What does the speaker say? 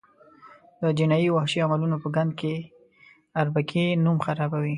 د جنایي او وحشي عملونو په ګند کې اربکي نوم خرابوي.